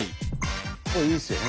ここいいですよね